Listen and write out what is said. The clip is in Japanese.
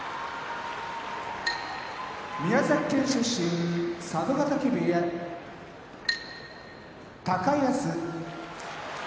宮崎県出身佐渡ヶ嶽部屋高安